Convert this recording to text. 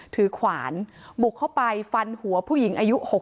ขวานบุกเข้าไปฟันหัวผู้หญิงอายุ๖๐